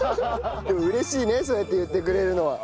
でも嬉しいねそうやって言ってくれるのは。